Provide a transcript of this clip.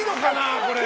これ。